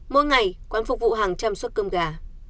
mỗi ngày quán phục vụ hàng trăm suất cơm gà